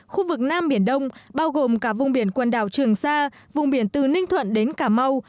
khu vực nam biển đông bao gồm cả vùng biển quần đảo trường sa vùng biển từ ninh thuận đến cà mau